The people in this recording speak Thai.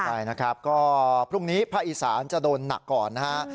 ใช่นะครับก็พรุ่งนี้ภาคอีสานจะโดนหนักก่อนนะฮะ